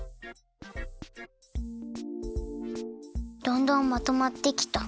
どんどんまとまってきた。